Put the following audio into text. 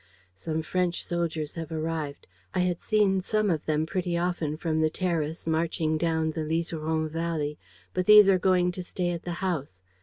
"Some French soldiers have arrived. I had seen some of them pretty often from the terrace, marching down the Liseron Valley. But these are going to stay at the house.